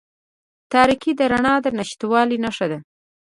تاریکې د رڼا د نشتوالي نښه ده.